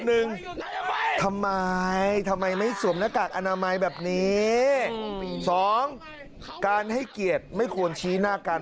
หนึ่งทำไมทำไมไม่สวมหน้ากากอนามัยแบบนี้สองการให้เกียรติไม่ควรชี้หน้ากัน